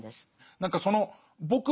何かその「僕は」